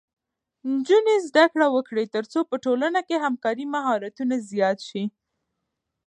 نجونې زده کړه وکړي ترڅو په ټولنه کې د همکارۍ مهارتونه زیات شي.